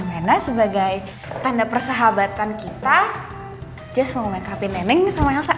gimana sebagai tanda persahabatan kita jess mau makeup in nenek sama elsa